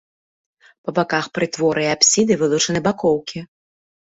Па баках прытвора і апсіды вылучаны бакоўкі.